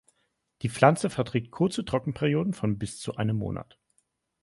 Die Pflanze verträgt kurze Trockenperioden von bis zu einem Monat.